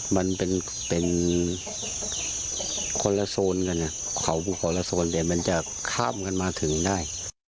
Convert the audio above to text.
มันเป็นคนละโซนกันเขาบุคคลละโซนเดี๋ยวมันจะข้ามกันมาถึงได้